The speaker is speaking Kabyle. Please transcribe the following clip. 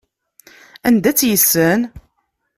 Anda tt-yessen?